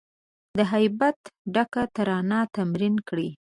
د هیبت ډکه ترانه تمرین کړی